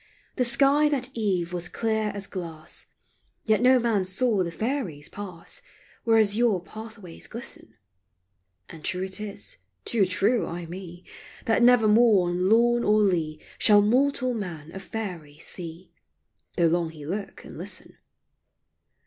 The sky that eve was clear as glass, Yet no man saw the Faeries pass Where azure pathways glisten; And true it is — too true, ay me — That nevermore on lawn or lea Shall mortal man a Faery see, Though long he look and listen.